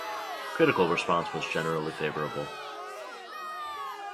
Critical response was generally favourable.